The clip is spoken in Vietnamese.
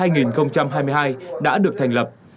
năm hai nghìn hai mươi hai đã được thành lập